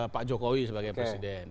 pak jokowi sebagai presiden